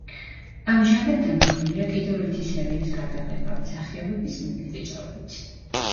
ამჟამად დაგეგმილია კიდევ ერთი სერიის გადაღება, მსახიობების მონაწილეობით.